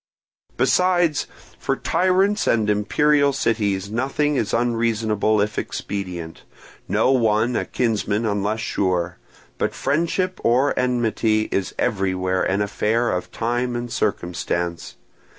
"Besides, for tyrants and imperial cities nothing is unreasonable if expedient, no one a kinsman unless sure; but friendship or enmity is everywhere an affair of time and circumstance.